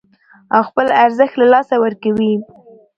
او خپل ارزښت له لاسه ورکوي